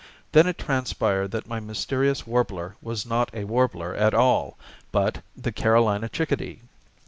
Then it transpired that my mysterious warbler was not a warbler at all, but the Carolina chickadee.